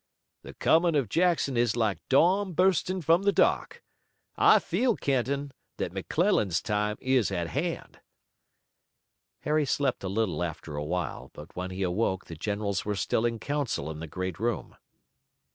"The coming of Jackson is like dawn bursting from the dark. I feel, Kenton, that McClellan's time is at hand." Harry slept a little after a while, but when he awoke the generals were still in council in the great room.